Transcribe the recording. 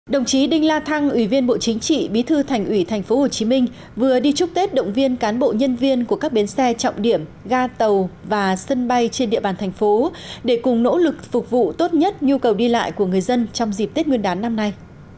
đồng chí đinh la thăng ủy viên bộ chính trị bí thư thành ủy tp hcm vừa đi chúc tết động viên cán bộ nhân viên của các bến xe trọng điểm ga tàu và sân bay trên địa bàn thành phố để cùng nỗ lực phục vụ tốt nhất nhu cầu đi lại của người dân trong dịp tết nguyên đán năm nay